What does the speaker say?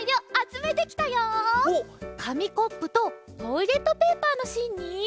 かみコップとトイレットペーパーのしんに。